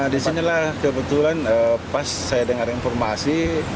di sinilah kebetulan pas saya dengar informasi